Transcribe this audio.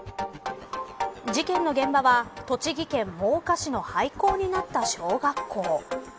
事件の現場は栃木県真岡市の廃校になった小学校。